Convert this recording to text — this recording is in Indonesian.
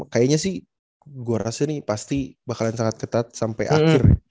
kayaknya sih gue rasa nih pasti bakalan sangat ketat sampai akhir